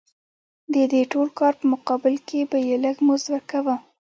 د دې ټول کار په مقابل کې به یې لږ مزد ورکاوه